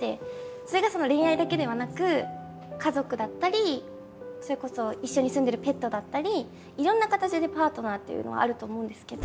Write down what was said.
それが恋愛だけではなく家族だったりそれこそ一緒に住んでるペットだったりいろんな形でパートナーっていうのはあると思うんですけど。